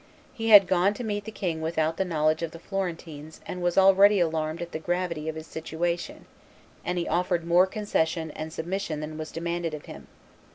He had gone to meet the king without the knowledge of the Florentines and was already alarmed at the gravity of his situation; and he offered more concession and submission than was demanded of him.